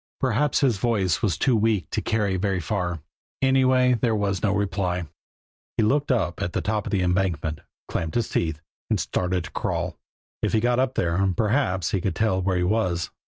Perhaps his voice was too weak to carry very far; anyway, there was no reply. He looked up at the top of the embankment, clamped his teeth, and started to crawl. If he got up there, perhaps he could tell where he was.